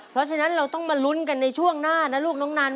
เพราะฉะนั้นเราต้องมาลุ้นกันในช่วงหน้านะลูกน้องนัน